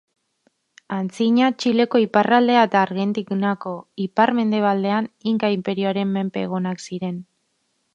Antzina Txileko iparraldea eta Argentinako ipar-mendebaldea Inka inperioaren menpe egonak ziren.